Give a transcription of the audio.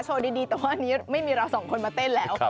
ดีแต่ว่าอันนี้ไม่มีเราสองคนมาเต้นแล้ว